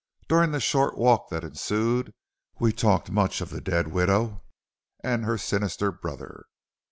"During the short walk that ensued we talked much of the dead widow and her sinister brother.